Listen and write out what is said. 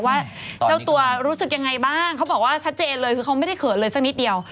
ว่าเจ้าตัวรู้สึกยังไงบ้างเขาบอกว่าชัดเจนเลยคือเขาไม่ได้เขินเลยสักนิดเดียว